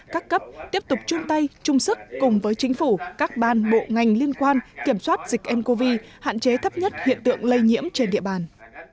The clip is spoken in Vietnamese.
các cấp tiếp tục chung tay chung sức cùng với chính phủ các ban bộ ngành liên quan kiểm soát dịch ncov hạn chế thấp nhất hiện tượng lây nhiễm trên địa bàn